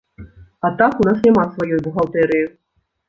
А так у нас няма сваёй бухгалтэрыі.